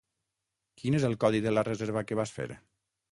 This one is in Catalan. Quin és el codi de la reserva que vas fer?